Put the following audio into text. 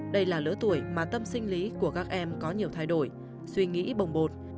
đây là lứa tuổi mà tâm sinh lý của các em có nhiều thay đổi suy nghĩ bồng bột